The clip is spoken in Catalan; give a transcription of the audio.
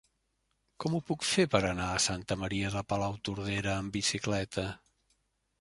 Com ho puc fer per anar a Santa Maria de Palautordera amb bicicleta?